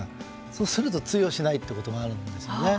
そうすると通用しないことがあるんですよね。